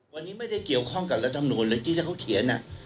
วันนี้ไม่ได้เกี่ยวข้องกับรัฐมนูลเลยที่ถ้าเขาเขียน